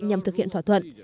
nhằm thực hiện thỏa thuận